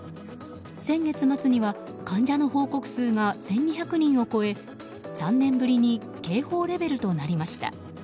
先月末には患者の報告数が１２００人を超え３年ぶりに警報レベルとなりました。